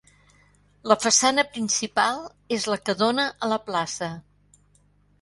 La façana principal és la que dóna a la Plaça.